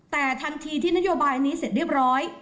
แต่ทันทีที่นโยบายนี้เสร็จเรียบร้อย